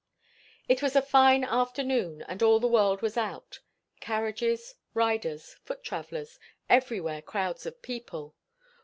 It was a fine afternoon, and all the world was out. Carriages, riders, foot travellers; everywhere crowds of people.